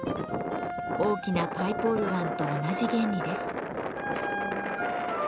大きなパイプオルガンと同じ原理です。